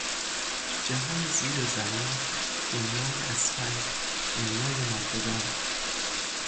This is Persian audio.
جهان زیر زمین، دنیای اسفل، دنیای مردگان